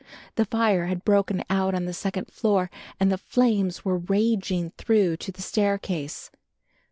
The fire had broken out on the second floor and the flames were raging through to the staircase.